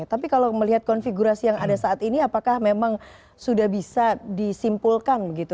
tapi kalau melihat konfigurasi yang ada saat ini apakah memang sudah bisa disimpulkan begitu